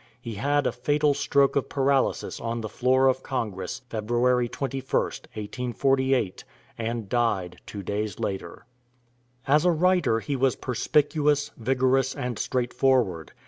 He had a fatal stroke of paralysis on the floor of Congress February 21st, 1848, and died two days later. As a writer he was perspicuous, vigorous, and straightforward.